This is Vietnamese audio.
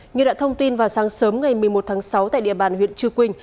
như đã thông tin vào sáng sớm ngày một mươi một tháng sáu tại địa bàn huyện chư quynh